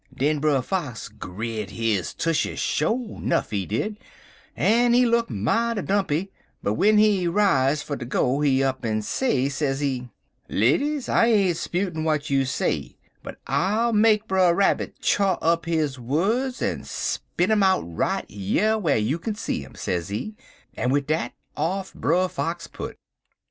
Den Brer Fox grit his tushes sho' nuff, he did, en he look mighty dumpy, but w'en he riz fer ter go he up en say, sezee: "'Ladies, I ain't 'sputin' w'at you say, but I'll make Brer Rabbit chaw up his words en spit um out right yer whar you kin see 'im,' sezee, en wid dat off Brer Fox put.